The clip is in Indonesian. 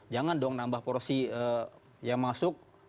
jangan dong nambah porsi yang masuk